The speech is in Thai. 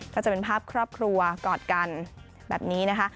ก็จะเป็นภาพครอบครัวกอดกันแบบนี้นะคะ